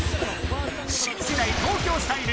新世代東京スタイル